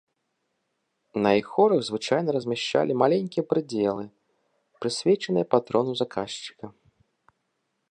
На іх хорах звычайна размяшчалі маленькія прыдзелы, прысвечаныя патрону заказчыка.